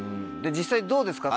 実際どうですか？